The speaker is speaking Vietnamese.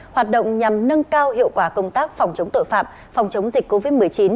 hoạt động nhằm nâng cao hiệu quả công tác phòng chống tội phạm phòng chống dịch covid một mươi chín